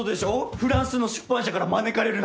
フランスの出版社から招かれるなんて！